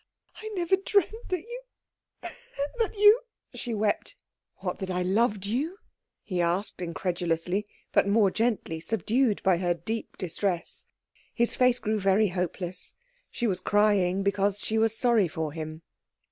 "I never dreamt that you that you " she wept. "What, that I loved you?" he asked incredulously; but more gently, subdued by her deep distress. His face grew very hopeless. She was crying because she was sorry for him.